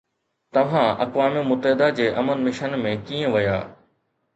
توهان اقوام متحده جي امن مشن ۾ ڪيئن ويا؟